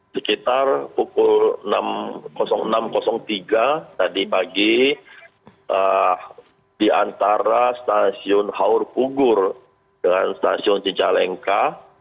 sekitar pukul enam tiga tadi pagi di antara stasiun haur pugur dengan stasiun cicalengka